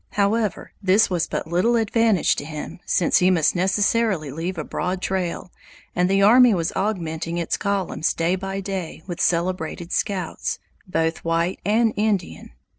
However, this was but little advantage to him, since he must necessarily leave a broad trail, and the army was augmenting its columns day by day with celebrated scouts, both white and Indian.